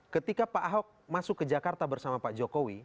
ketika pak ahok masuk ke jakarta bersama pak jokowi